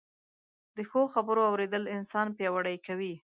د ښو خبرو اورېدل انسان پياوړی کوي